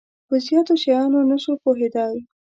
په زیاتو شیانو نه شو پوهیدای.